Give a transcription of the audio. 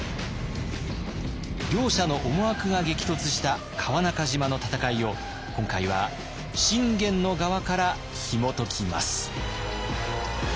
両者の思惑が激突した川中島の戦いを今回は信玄の側からひもときます。